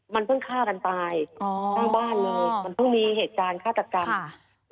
มันเพิ่งฆ่ากันตายอ๋อข้างบ้านเลยมันเพิ่งมีเหตุการณ์ฆาตกรรม